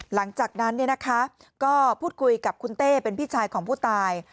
หลังจากนั้นก็พูดคุยกับคุณเต้เป็นพี่ชายของผู้ตาย